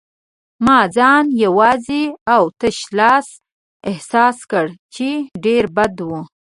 ما ځان یوازې او تش لاس احساس کړ، چې ډېر بد و.